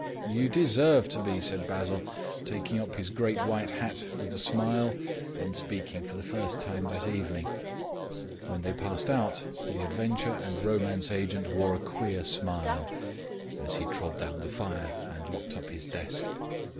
"You deserve to be," said Basil, taking up his great white hat, with a smile, and speaking for the last time that evening. When they had passed out the Adventure and Romance agent wore a queer smile, as he trod down the fire and locked up his desk.